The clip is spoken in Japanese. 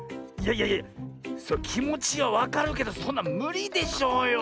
いやいやきもちはわかるけどそんなんむりでしょうよ。